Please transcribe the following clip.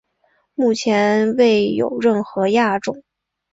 目前未有任何亚种。